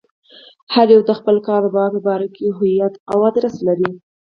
هر يو يې د خپل کاروبار په باره کې هويت او ادرس لري.